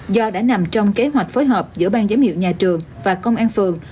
do đã nằm trong kế hoạch phối hợp giữa bang giám hiệu nhà trường và công an phường